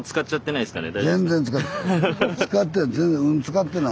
全然使ってない。